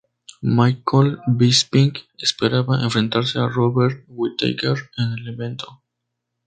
Michael Bisping esperaba enfrentarse a Robert Whittaker en el evento.